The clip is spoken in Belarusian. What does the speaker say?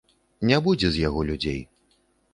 Не будзе з яго людзей.